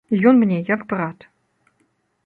Ён мне як брат.